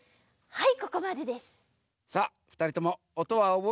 はい！